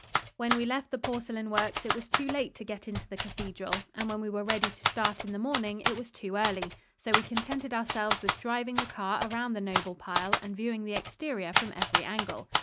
When we left the porcelain works it was too late to get into the cathedral, and when we were ready to start in the morning it was too early. So we contented ourselves with driving the car around the noble pile and viewing the exterior from every angle.